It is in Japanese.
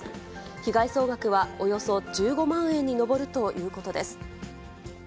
被害総額はおよそ１５万円に上るということです。